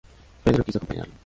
Pedro quiso acompañarlo.